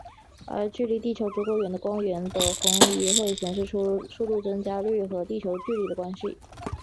而距离地球足够远的光源的红移就会显示出速度增加率和地球距离的关系。